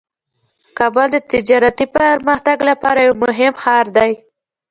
کابل د تجارتي پرمختګ لپاره یو مهم ښار دی.